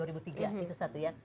itu satu ya